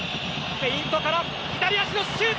フェイントから左足のシュート！